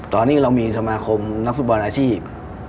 ตอนนี้เรามีสมาคมนักฟุตบอลอาชีพ